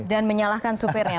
dan menyalahkan sopirnya